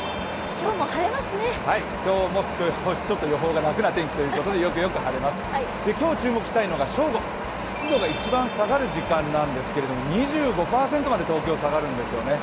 今日も気象予報士、予報が楽な天気ということでよくよく晴れます、今日注目したいのが正午、湿度が一番下がる時間なんですけども、東京では２５％まで下がるんですね。